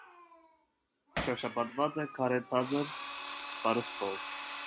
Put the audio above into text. Շրջապատված է քարե ցածր պարսպով։